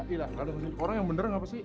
iya gila ada orang yang bener gak pasti